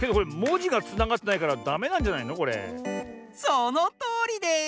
そのとおりです！